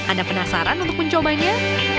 ada penasaran untuk mencobanya